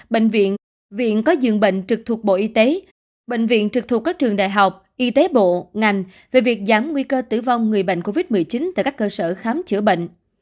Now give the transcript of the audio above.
bệnh viện trực thuộc các trường đại học y tế bộ ngành về việc giảm nguy cơ tử vong người bệnh covid một mươi chín tại các cơ sở khám chữa bệnh